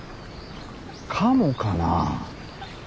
カモかなあ。